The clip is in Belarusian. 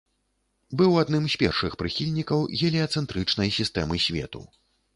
Быў адным з першых прыхільнікаў геліяцэнтрычнай сістэмы свету.